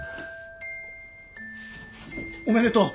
おめでとう。